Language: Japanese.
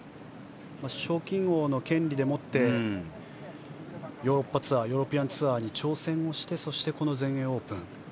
賞金王の権利でもってヨーロピアンツアーに挑戦してそして、この全英オープン。